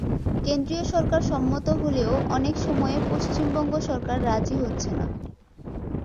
কেন্দ্রীয় সরকার সম্মত হলেও অনেক সময়ে পশ্চিমবঙ্গ সরকার রাজি হচ্ছে না।